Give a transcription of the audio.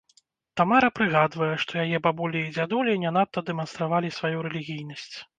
Тамара прыгадвае, што яе бабулі і дзядулі не надта дэманстравалі сваю рэлігійнасць.